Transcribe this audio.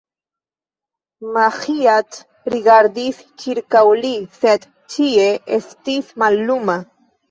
Maĥiac rigardis ĉirkaŭ li, sed ĉie estis malluma.